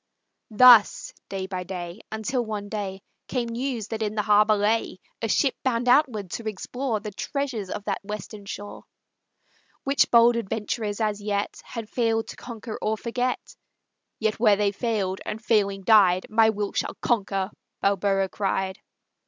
Thus day by day, until one day Came news that in the harbor lay A ship bound outward to explore The treasures of that western shore, Which bold adventurers as yet Had failed to conquer or forget; "Yet where they failed, and failing died, My will shall conquer!" Balboa cried.